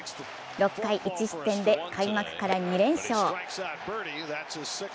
６回１失点で開幕から２連勝。